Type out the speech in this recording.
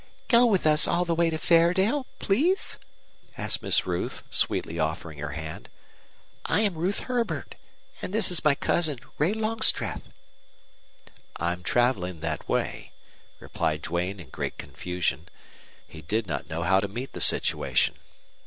"Go with us all the way to Fairdale please?" asked Miss Ruth, sweetly offering her hand. "I am Ruth Herbert. And this is my cousin, Ray Longstreth." "I'm traveling that way," replied Duane, in great confusion. He did not know how to meet the situation.